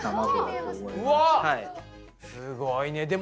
すごいね。